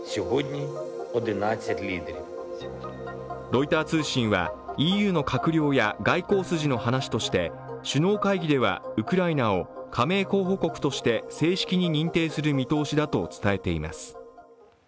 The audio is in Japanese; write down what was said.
ロイター通信はＥＵの閣僚や外交筋の話として、首脳会議では、ウクライナを加盟候補国として正式に認定する見通しだと伝えています。